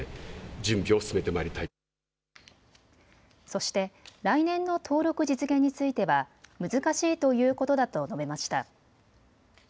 そして来年の登録実現については難しいということだと述べました。